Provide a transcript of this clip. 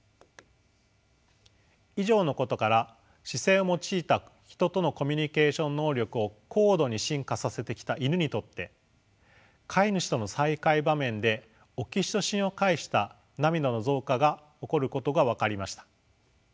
以上のことから視線を用いたヒトとのコミュニケーション能力を高度に進化させてきたイヌにとって飼い主との再会場面でオキシトシンを介した涙の増加が起こることが分かりました。